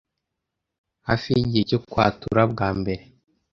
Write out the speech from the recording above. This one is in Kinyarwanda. hafi yigihe cyo kwatura bwa mbere